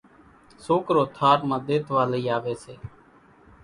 سوڪرو ٿار مان ۮيتوا لئي آوي سي